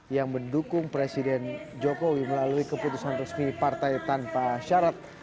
yang mendukung presiden jokowi melalui keputusan resmi partai tanpa syarat